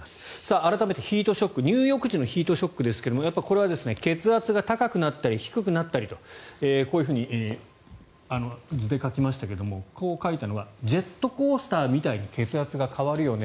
改めてヒートショック入浴時のヒートショックですがこれは血圧が高くなったり低くなったりとこういうふうに図で書きましたがこう書いたのはジェットコースターみたいに血圧が変わるよね